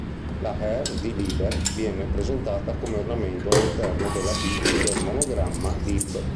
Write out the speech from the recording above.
La "er" di "Liber" viene presentata come ornamento all'interno della "b" del monogramma "lib".